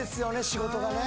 仕事がね